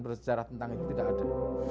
bersejarah tentang itu tidak ada